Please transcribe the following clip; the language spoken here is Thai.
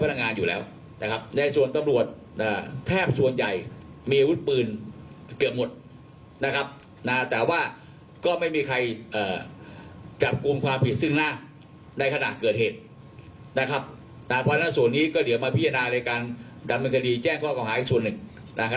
พอทั้งส่วนนี้ก็เดี๋ยวมาพิจารณาในการดำเนินคดีแจ้งข้อความข้างหาอีกส่วนหนึ่ง